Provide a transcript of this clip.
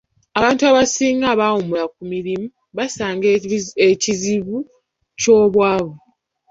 Abantu abasinga abawummula ku mirimu basanga ekizibu ky'obwavu.